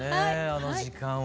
あの時間は。